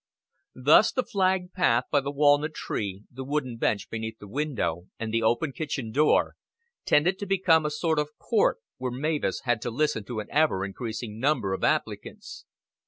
Thus the flagged path by the walnut tree, the wooden bench beneath the window, and the open kitchen door, tended to become a sort of court where Mavis had to listen to an ever increasing number of applicants.